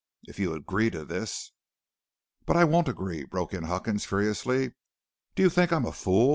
If you agree to this ' "'But I won't agree,' broke in Huckins, furiously. 'Do you think I am a fool?